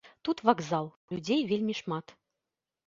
Тут вакзал, людзей вельмі шмат.